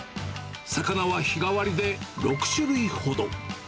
魚は日替わりで６種類ほど。